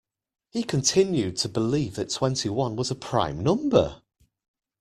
He continued to believe that twenty-one was a prime number